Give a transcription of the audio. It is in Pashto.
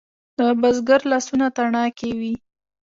د بزګر لاسونه تڼاکې وي.